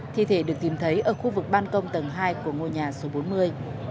thi thể được tìm thấy ở khu vực ban công tầng hai của ngôi nhà số bốn mươi